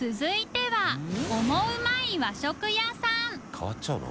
変わっちゃうの？